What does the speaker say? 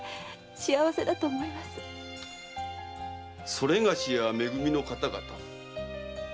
それがしやめ組の方々？